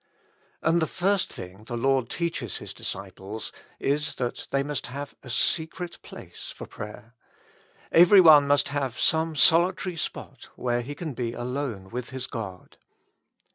And the first thing the Lord teaches His disciples is that they must have a secret place for prayer ; every one must have some solitary spot where he can be alone with his God.